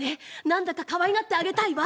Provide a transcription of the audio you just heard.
なんだかかわいがってあげたいわ。